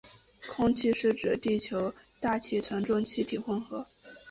空气是指地球大气层中的气体混合。